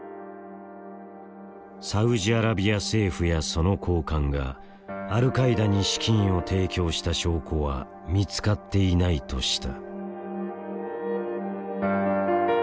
サウジアラビア政府やその高官がアルカイダに資金を提供した証拠は見つかっていないとした。